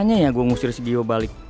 ternyanya ya gue ngusir si gio balik